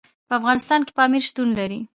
په افغانستان کې پامیر شتون لري.